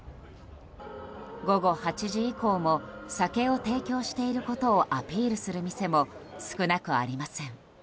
午後８時以降も酒を提供していることをアピールする店も少なくありません。